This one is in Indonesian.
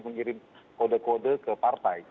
mengirim kode kode ke partai